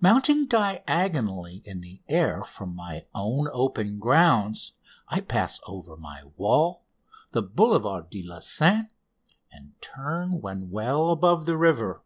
Mounting diagonally in the air from my own open grounds I pass over my wall, the Boulevard de la Seine, and turn when well above the river.